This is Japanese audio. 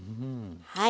はい。